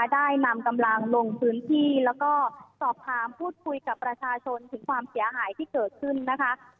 ได้นำกำลังลงพื้นที่แล้วก็สอบถามพูดคุยกับประชาชนถึงความเสียหายที่เกิดขึ้นนะคะ